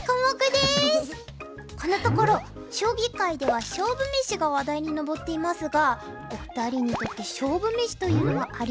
このところ将棋界では勝負めしが話題に上っていますがお二人にとって勝負めしというのはありますか？